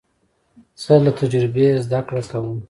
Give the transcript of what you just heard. زه له تجربې زده کړه کوم.